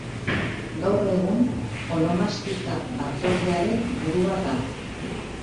Gaur egun, Onomastika Batzordearen burua da.